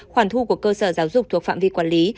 khoản thu của cơ sở giáo dục thuộc phạm vi quản lý